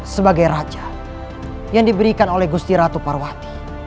sebagai raja yang diberikan oleh gusti ratu parwati